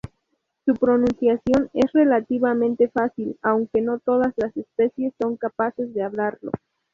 Su pronunciación es relativamente fácil, aunque no todas las especies son capaces de hablarlo.